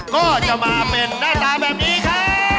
ก็จะมาเป็นหน้าตาแบบนี้ครับ